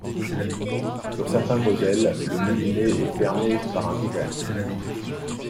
Sur certains modèles, le moulinet est fermé par un couvercle.